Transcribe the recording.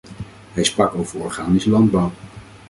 Hij sprak over organische landbouw.